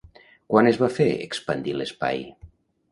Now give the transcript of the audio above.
Quan es va fer expandir l'espai?